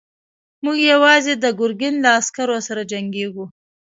موږ يواځې د ګرګين له عسکرو سره جنګېږو.